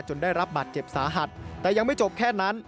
ได้รับบาดเจ็บสาหัสแต่ยังไม่จบแค่นั้น